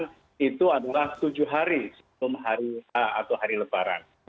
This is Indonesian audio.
dan itu adalah tujuh hari hari lebaran